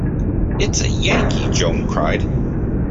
It's a Yankee, Joan cried.